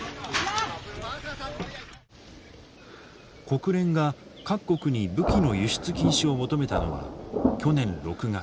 国連が各国に武器の輸出禁止を求めたのは去年６月。